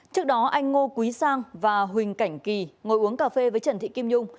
trước đó anh ngô quý sang và huỳnh cảnh kỳ ngồi uống cà phê với trần thị kim nhung